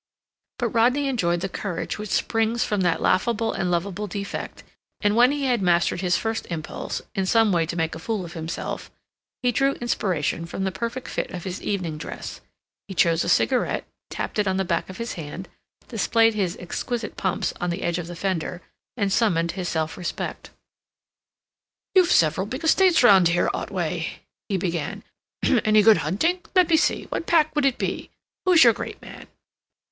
But Rodney enjoyed the courage which springs from that laughable and lovable defect, and when he had mastered his first impulse, in some way to make a fool of himself, he drew inspiration from the perfect fit of his evening dress. He chose a cigarette, tapped it on the back of his hand, displayed his exquisite pumps on the edge of the fender, and summoned his self respect. "You've several big estates round here, Otway," he began. "Any good hunting? Let me see, what pack would it be? Who's your great man?"